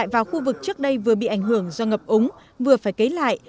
vào khu vực trước đây vừa bị ảnh hưởng do ngập úng vừa phải kế lại